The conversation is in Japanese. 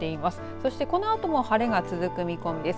そしてこのあとも晴れが続く見込みです。